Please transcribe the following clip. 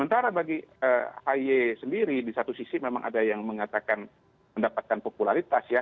ntar bagi ip tenaga sendiri memang di sisi memang ada yang mengatakan mendapatkan portfolio ya